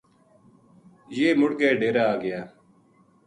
یہ مُڑ کے ڈیرے آ گیا